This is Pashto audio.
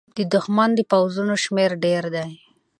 د دښمن د پوځونو شمېر ډېر دی.